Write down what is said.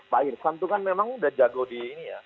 pak irfan itu kan memang udah jago di